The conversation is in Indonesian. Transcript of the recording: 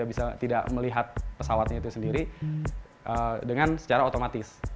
jadi kita sudah tidak melihat pesawatnya itu sendiri dengan secara otomatis